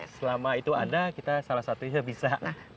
selama itu ada kita salah satunya bisa